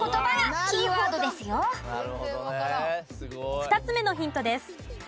２つ目のヒントです。